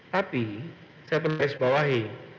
tapi saya perlu disubawahi